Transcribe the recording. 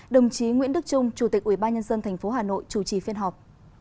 đồng chí nguyễn đức trung chủ tịch ubnd tp hà nội chủ trì phiên họp